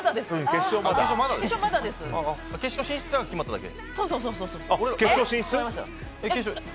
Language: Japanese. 決勝進出者が決まっただけ。